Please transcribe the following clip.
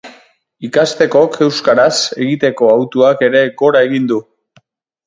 Ikastekok euskaraz egiteko hautuak ere gora egin du.